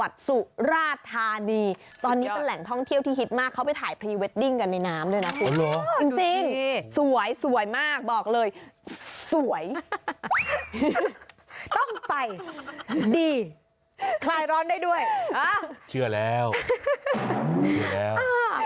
ได้แล้วนี่ไงที่คุณใส่ชุดนอนลงไปโดดน้ำนะครับ